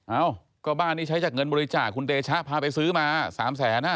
เอ้าก็บ้านนี้ใช้จากเงินบริจาคคุณเดชะพาไปซื้อมา๓แสนอ่ะ